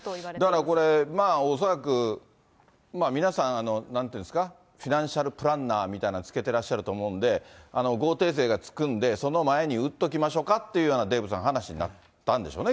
だからこれ、まあ恐らく、皆さん、なんていうんですか、フィナンシャルプランナーみたいなのをつけてらっしゃると思うので、豪邸税がつくんで、その前に売っときましょかっていう話に、デーブさん、話になったんでしょうね。